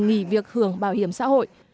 nghỉ việc hưởng bảo hiểm xã hội